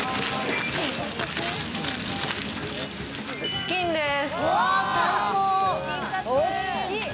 チキンです。